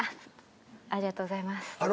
ありがとうございます。